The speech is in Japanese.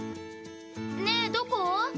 ねえどこ？